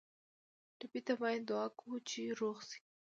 ټپي ته باید دعا کوو چې روغ شي.